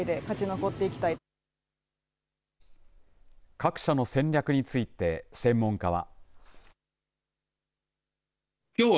各社の戦略について専門家は。